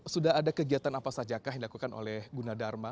sudah ada kegiatan apa saja kah yang dilakukan oleh gunadharma